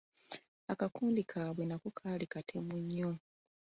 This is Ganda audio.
Akakundi kaabwe nako kaali katemu nnyo.